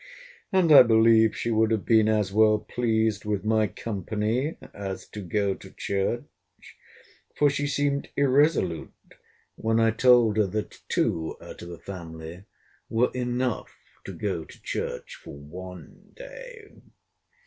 And I believe she would have been as well pleased with my company as to go to church; for she seemed irresolute when I told her that two out of a family were enough to go to church for one day.